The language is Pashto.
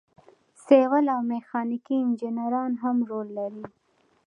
سیول او میخانیکي انجینران هم رول لري.